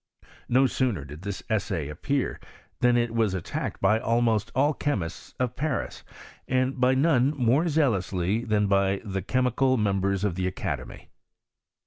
No sooner did this essay appear than. it was attacked by almost all the chemists of Paris, and by none more zealously than by the chemical mem bers of the academy.